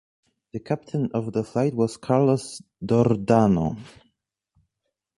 The captain of the flight was Carlos Dardano.